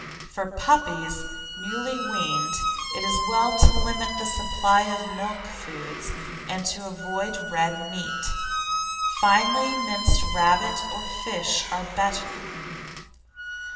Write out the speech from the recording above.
For puppies newly weaned it is well to limit the supply of milk foods and to avoid red meat. Finely minced rabbit, or fish are better.